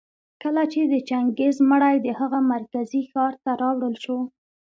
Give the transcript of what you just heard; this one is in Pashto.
کله چي د چنګېز مړى د هغه مرکزي ښار ته راوړل شو